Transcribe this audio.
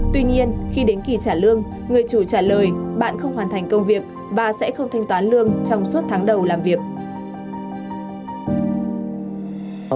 tuy nhiên khi đến kỳ trả lương người chủ trả lời bạn không hoàn thành công việc và sẽ không thanh toán lương trong suốt tháng đầu làm việc